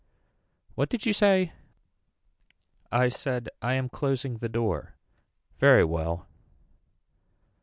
What did you say. I said I am closing the door. Very well.